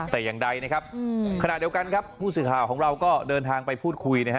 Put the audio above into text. แต่อย่างใดนะครับขณะเดียวกันครับผู้สื่อข่าวของเราก็เดินทางไปพูดคุยนะฮะ